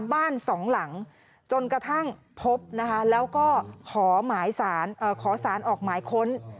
บ้านสองหลังจนกระทั่งพบนะคะแล้วก็ขอหมายสารขอสารออกหมายค้น